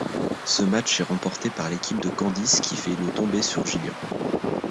Ce match est remporté par l'équipe de Candice qui fait le tombé sur Jillian.